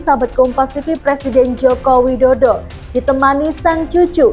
sahabat kompos siti presiden joko widodo ditemani sang cucu